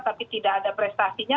tapi tidak ada prestasinya